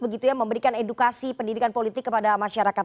begitu ya memberikan edukasi pendidikan politik kepada masyarakat